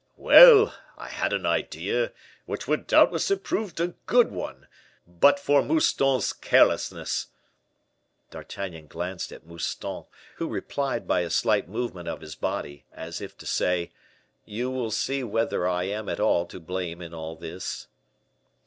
"Well, I had an idea, which would doubtless have proved a good one, but for Mouston's carelessness." D'Artagnan glanced at Mouston, who replied by a slight movement of his body, as if to say, "You will see whether I am at all to blame in all this."